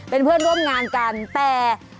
เป็นเพื่อนร่วมงานกันแต่